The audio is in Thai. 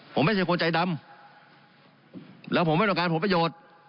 ผมไม่ใช่คนใจดำแล้วผมไม่ต้องการผลประโยชน์